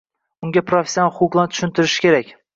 unga protsessual huquqlari tushuntirilishi kerak.